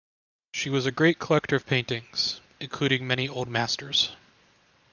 She was a great collector of paintings, including many Old Masters.